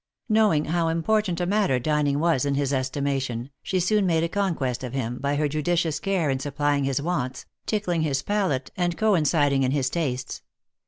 Knowing how important a matter dining w r as in his estimation, she soon made a conquest of him, by her judicious care in supplying his wants, tickling his palate, and coinciding in his tastes.